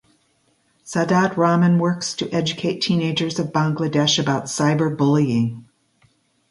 Sadat Rahman works to educate teenagers of Bangladesh about cyberbullying.